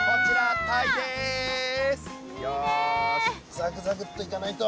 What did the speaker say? ザクザクッといかないと。